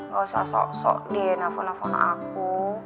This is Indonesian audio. gak usah sok sok di nelfon nelfon aku